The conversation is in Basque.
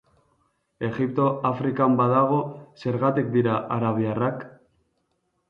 Egipto Afrikan badago, zergatik dira arabiarrak?